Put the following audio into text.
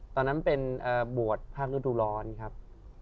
ตอนนั้นเป็นบวชภาคอื่นดูรรท์ครับ